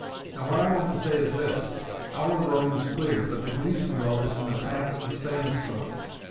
Now what I want to say is this. Our road is clear, but the Gleeson road is in the path of the sand storm.